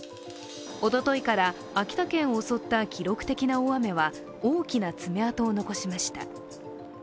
おとといから秋田県を襲った記録的な大雨は大きなつめ跡を残しました。